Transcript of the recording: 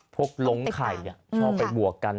ลงไข่ชอบไปบวกกัน